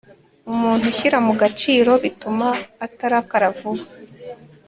umuntu ushyira mu gaciro, bituma atarakara vuba